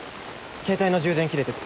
携帯の充電切れてて。